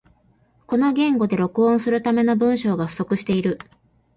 この言語で録音するための文章が不足している